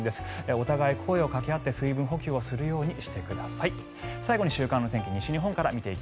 お互い、声をかけ合って水分補給するようにしてください。